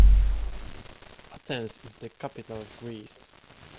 Athens is the capital of Greece.